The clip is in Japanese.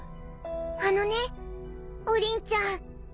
あのねおリンちゃん。